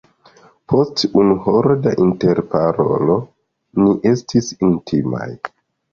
Post unu horo da interparolo, ni estis intimaj.